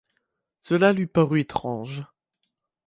Cela lui parut étrange.